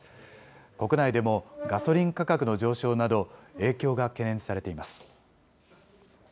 国内でもガソリン価格の上昇など、影響が懸念されています。